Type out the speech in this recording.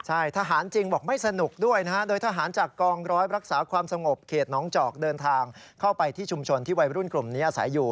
ใช่ทหารจริงบอกไม่สนุกด้วยนะฮะโดยทหารจากกองร้อยรักษาความสงบเขตน้องจอกเดินทางเข้าไปที่ชุมชนที่วัยรุ่นกลุ่มนี้อาศัยอยู่